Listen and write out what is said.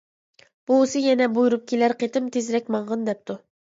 بوۋىسى يەنە بۇيرۇپ كېلەر قېتىم تېزرەك ماڭغىن دەپتۇ.